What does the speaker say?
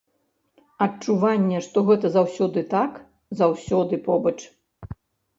Адчуванне, што гэта заўсёды так, заўсёды побач.